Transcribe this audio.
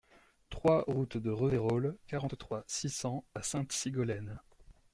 trois route de Reveyrolles, quarante-trois, six cents à Sainte-Sigolène